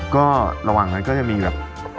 ก็ระหว่างนั้นก็จะมีแบบ